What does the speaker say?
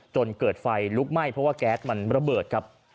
จนเกิดไฟลุกไหม้เพราะว่าแก๊สมันระเบิดครับ